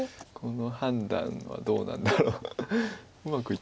この判断はどうなんだろう。